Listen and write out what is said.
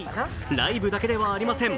ライブだけではありません。